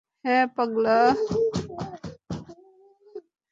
হ্যাঁঁ, পাগলা।